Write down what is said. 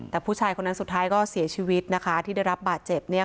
แต่ผู้ชายคนนั้นสุดท้ายก็เสียชีวิตนะคะที่ได้รับบาดเจ็บเนี่ย